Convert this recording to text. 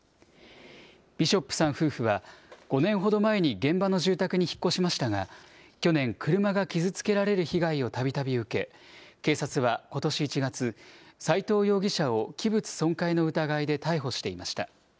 ビショップさん夫婦は５年ほど前に現場の住宅に引っ越しましたが、去年、車が傷つけられる被害をたびたび受け、警察はことし１月、斎藤容疑者を器物損壊の疑いで逮捕していました。